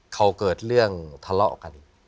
เขาเกิดเรื่องทะเลาะกัน